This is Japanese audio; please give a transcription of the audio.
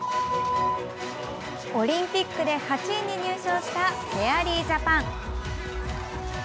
オリンピックで８位に入賞したフェアリージャパン。